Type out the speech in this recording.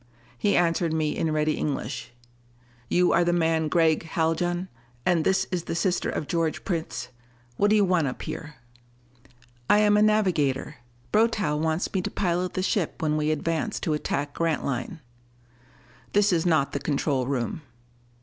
He answered me in ready English: "You are the man Gregg Haljan? And this is the sister of George Prince what do you want up here?" "I am a navigator. Brotow wants me to pilot the ship when we advance to attack Grantline." "This is not the control room."